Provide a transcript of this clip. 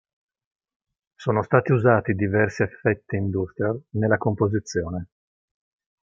Sono stati usati diversi effetti industrial nella composizione.